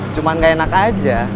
cuma gak enak aja